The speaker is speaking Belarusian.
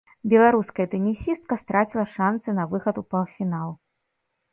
Беларуская тэнісістка страціла шанцы на выхад у паўфінал.